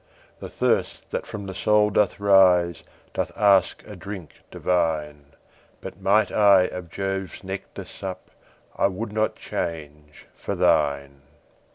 The thirst that from the soul doth rise, Doth ask a drink divine: But might I of Jove's nectar sup, I would not change for thine.